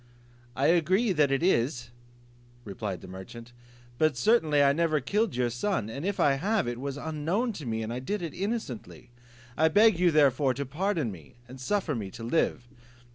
"I agree it is," replied the merchant, "but certainly I never killed your son; and if I have, it was unknown to me, and I did it innocently; I beg you therefore to pardon me, and suffer me to live."